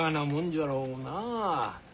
じゃろうなあ